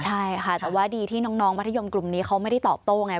ใช่ค่ะแต่ว่าดีที่น้องมัธยมกลุ่มนี้เขาไม่ได้ตอบโต้ไง